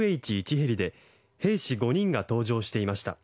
ヘリで兵士５人が搭乗していました。